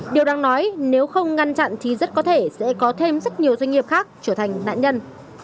điều đáng nói nếu không ngăn chặn thì rất có thể sẽ có thêm rất nhiều doanh nghiệp khác trở thành nạn nhân